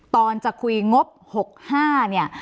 ตอนจะคุยงบ๖๕เนี่ย